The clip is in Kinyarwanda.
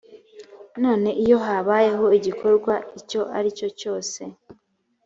none iyo habayeho igikorwa icyo ari cyo cyose